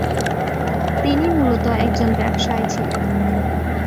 তিনি মূলত একজন ব্যবসায়ী ছিলেন।